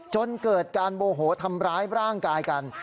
จนเกิดการโมโหทำร้ายร่างกายกัน